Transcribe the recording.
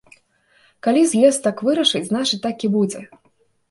Калі з'езд так вырашыць, значыць, так і будзе.